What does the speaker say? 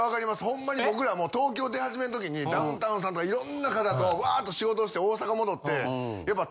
ほんまに僕らも東京出はじめの時にダウンタウンさんとかいろんな方とわっと仕事して大阪戻ってやっぱ。